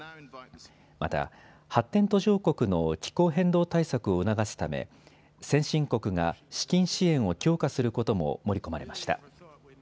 また発展途上国の気候変動対策を促すため先進国が資金支援を強化することも盛り込まれました。